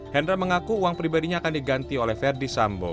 hendra mengaku uang pribadinya akan diganti oleh verdi sambo